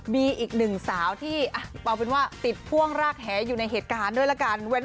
มีอีกหนึ่งสาวที่เอาเป็นว่าติดพ่วงรากแหอยู่ในเหตุการณ์ด้วยละกัน